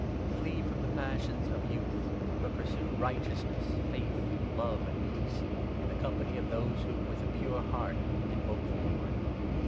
Flee from the passions 22 of youth, but pursue righteousness, faith, love, and peace, in the company of those who, with a pure heart, invoke the Lord.